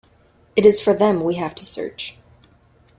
It is for them we have to search.